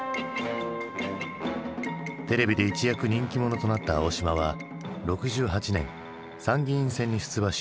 テレビで一躍人気者となった青島は６８年参議院選に出馬し当選。